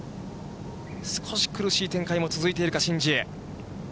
少し苦しい展開も続いているか、シン・ジエ。